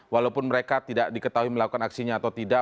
walaupun mereka tidak diketahui melakukan aksinya atau tidak